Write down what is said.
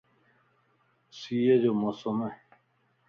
سيءَ جو موسم ا